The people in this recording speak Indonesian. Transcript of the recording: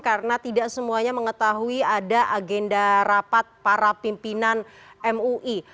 karena tidak semuanya mengetahui ada agenda rapat para pimpinan mui